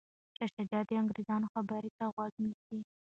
شاه شجاع د انګریزانو خبرو ته غوږ نیسي.